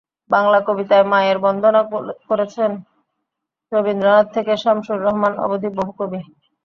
বাংলা কবিতায় মায়ের বন্দনা করেছেন রবীন্দ্রনাথ থেকে শামসুর রাহমান অবধি বহু কবি।